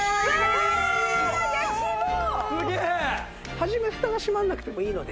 初めフタが閉まらなくてもいいので。